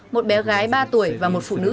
một bé gái ba tuổi và hai người trong đó